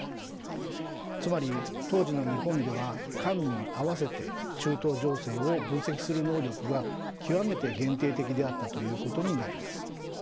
つまり当時の日本では官民合わせて中東情勢を分析する能力が極めて限定的であったということになります。